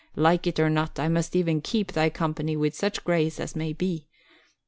like it or not, I must even keep thy company with such grace as may be.